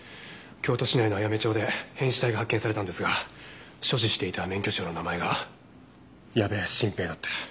京都市内の綾女町で変死体が発見されたんですが所持していた免許証の名前が矢部晋平だって。